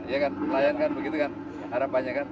ya kan nelayan kan begitu kan harapannya kan